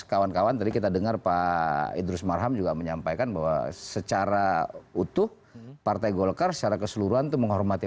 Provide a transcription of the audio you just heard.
kawan kawan tadi kita dengar pak idrus marham juga menyampaikan bahwa secara utuh partai golkar secara keseluruhan itu menghormati